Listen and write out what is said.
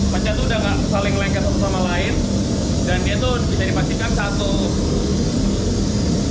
pecah sudah nggak saling lengket sama lain dan dia tuh bisa dipastikan satu